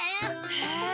へえ。